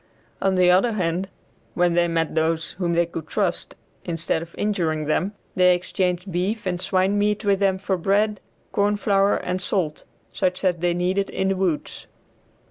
On the other hand when they met those whom they could trust, instead of injuring them, they exchanged beef and swine meat with them for bread, corn flour, and salt, such as they needed in the woods.